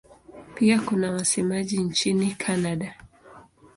Pia kuna wasemaji nchini Kanada.